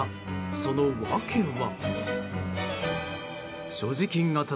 その訳は。